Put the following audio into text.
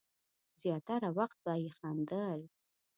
زیاتره وخت به یې خندل.